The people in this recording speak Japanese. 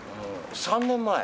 ３年前。